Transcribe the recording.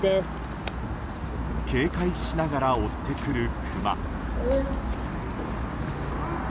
警戒しながら追ってくるクマ。